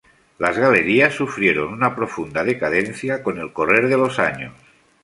Las Galerías sufrieron una profunda decadencia con el correr de los años.